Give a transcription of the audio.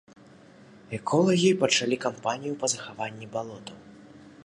Эколагі пачалі кампанію па захаванні балотаў.